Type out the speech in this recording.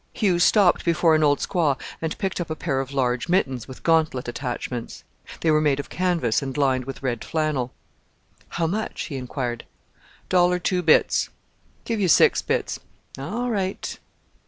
Hugh stopped before an old squaw and picked up a pair of large mittens with gauntlet attachments. They were made of canvas and lined with red flannel. "How much?" he inquired. "Dollar two bits." "Give you six bits." "All right."